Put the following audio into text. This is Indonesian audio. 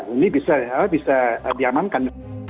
ini bisa diamankan